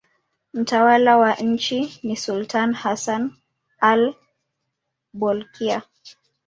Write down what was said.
Mtawala wa nchi ni sultani Hassan al-Bolkiah.